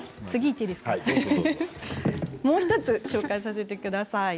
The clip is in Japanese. もう１つ紹介させてください。